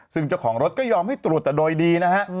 ซึ่งเจ้าของรถก็ยอมให้ตรวจแต่โดยดีนะฮะ